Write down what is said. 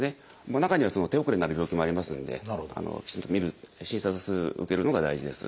中には手遅れになる病気もありますのできちんと診る診察受けるのが大事です。